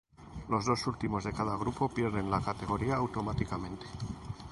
Los dos últimos de cada grupo pierden la categoría automáticamente.